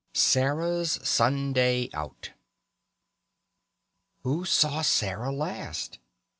SARAH'S SUNDAY OUT "Who saw Sarah last?"